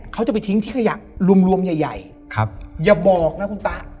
เขาจะไปทิ้งที่ขยะรวมใหญ่อย่าบอกนะคุณตา